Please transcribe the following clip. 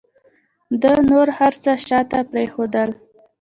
ده نور هر څه شاته پرېښودل.